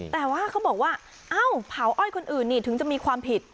แต่ว่าเขาบอกว่าเอ้าเผาอ้อยคนอื่นนี่ถึงจะมีความผิด